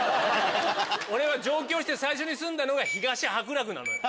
俺は上京して最初に住んだのが東白楽なのよ。